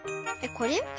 これ？